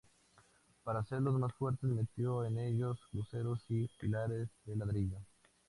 Para hacerlos más fuertes metió en ellos cruceros y pilares de ladrillo.